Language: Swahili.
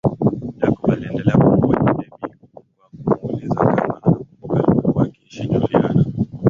Jacob aliendelea kumhoji Debby kwa kumuuliza kama anakumbuka alipokuwa akiishi Juliana